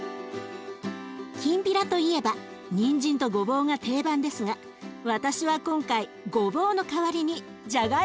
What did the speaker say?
きんぴらといえばにんじんとごぼうが定番ですが私は今回ごぼうの代わりにじゃがいもを使います。